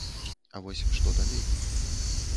А вось што далей?